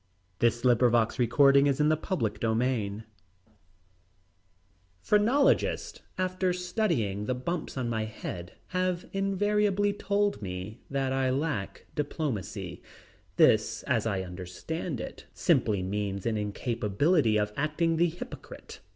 That was during the year of 1881. CHAPTER II Phrenologists after studying the bumps on my head have invariably told me that I lacked diplomacy. This, as I understand it, simply means an incapability of acting the hypocrite.